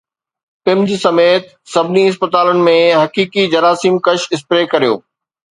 PIMS سميت سڀني اسپتالن ۾ حقيقي جراثيم ڪش اسپري ڪريو